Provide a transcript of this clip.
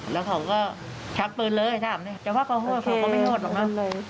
แล้วเขาก็ชักปืนเลยครับแต่ว่าเขาโหดเขาก็ไม่โหดหรอกนะ